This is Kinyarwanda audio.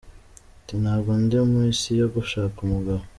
Ati “ Ntabwo ndi mu isi yo gushaka umugabo….